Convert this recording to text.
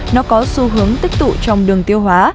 nó có xu hướng tích tụ trong đường tiêu hóa